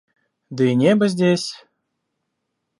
Да и небо здесь...